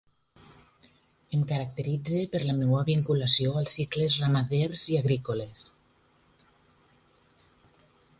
Em caracteritze per la meua vinculació als cicles ramaders i agrícoles.